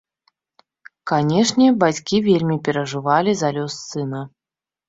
Канешне, бацькі вельмі перажывалі за лёс сына.